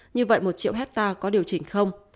như vậy một triệu hectare có điều chỉnh không